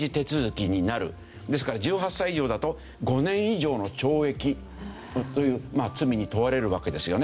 ですから１８歳以上だと５年以上の懲役という罪に問われるわけですよね。